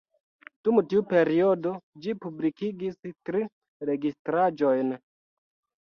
Dum tiu periodo, ĝi publikigis tri registraĵojn.